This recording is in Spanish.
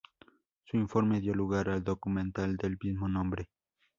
Su informe dio lugar al documental del mismo nombre.